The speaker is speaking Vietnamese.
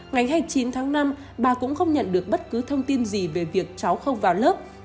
ngày hai mươi chín tháng năm bà cũng không nhận được bất cứ thông tin gì về việc cháu không vào lớp